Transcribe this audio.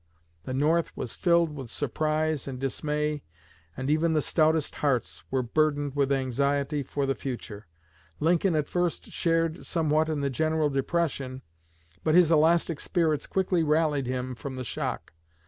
The North was filled with surprise and dismay, and even the stoutest hearts were burdened with anxiety for the future. Lincoln at first shared somewhat in the general depression, but his elastic spirits quickly rallied from the shock.